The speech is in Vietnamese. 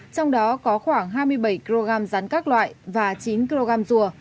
trong đó có khoảng hai mươi bảy kg rắn các loại và chín kg rùa